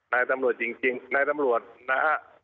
นายตำรวจจริงนายตำรวจนะฮะ